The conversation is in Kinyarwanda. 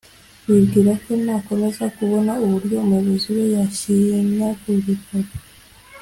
bibwira ko nakomeza kubona uburyo umuyobozi we yashinyagurirwaga,